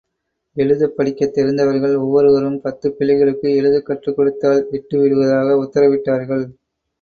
எழுதப் படிக்கத் தெரிந்தவர்கள் ஒவ்வொருவரும் பத்துப் பிள்ளைகளுக்கு எழுதக் கற்றுக் கொடுத்தால், விட்டு விடுவதாக உத்தரவிட்டார்கள்.